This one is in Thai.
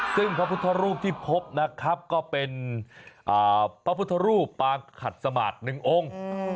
ซึ่งพระพุทธรูปที่พบนะครับก็เป็นพระพุทธรูปปางขัดสมาธิหนึ่งองค์